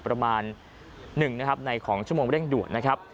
ประมาณ๑ในชั่วโมงเร่งด่วนนะครับ